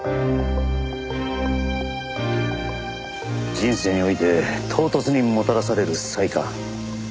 人生において唐突にもたらされる災禍。